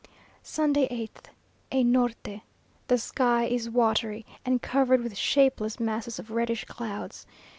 Sunday, 8th. A Norte! The sky is watery, and covered with shapeless masses of reddish clouds.